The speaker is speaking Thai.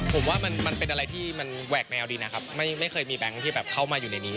ผมว่ามันเป็นอะไรที่มันแหวกแนวดีนะครับไม่เคยมีแบงค์ที่แบบเข้ามาอยู่ในนี้